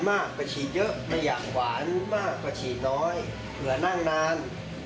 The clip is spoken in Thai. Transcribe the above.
มากไปฉีดเยอะไม่อยากหวานมากกว่าฉีดน้อยเหงื่อนั่งนาน